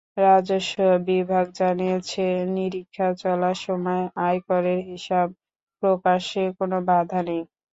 রাজস্ব বিভাগ জানিয়েছে, নিরীক্ষা চলার সময় আয়করের হিসাব প্রকাশে কোনো বাধা নেই।